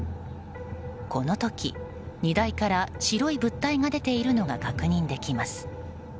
この時、荷台から白い物体が出ているのが確認できます。